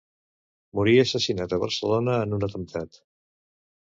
Morí assassinat a Barcelona en un atemptat.